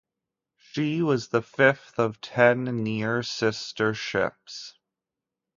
She was the fifth of ten near-sister ships.